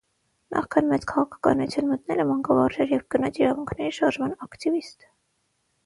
Նախքան մեծ քաղաքականություն մտնելը մանկավարժ էր և կնոջ իրավունքների շարժման ակտիվիստ։